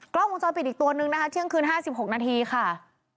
กล้องวงจรปิดอีกตัวนึงนะคะเที่ยงคืน๕๖นาทีค่ะ